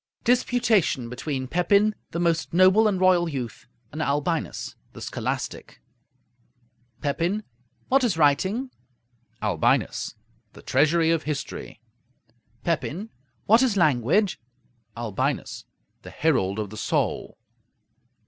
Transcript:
DISPUTATION BETWEEN PEPIN, THE MOST NOBLE AND ROYAL YOUTH, AND ALBINUS THE SCHOLASTIC Pepin What is writing? Albinus The treasury of history. Pepin What is language? Albinus The herald of the soul.